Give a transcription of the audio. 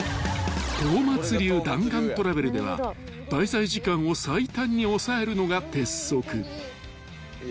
［東松流弾丸トラベルでは滞在時間を最短に抑えるのが鉄則］いや。